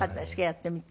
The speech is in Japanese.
やってみて。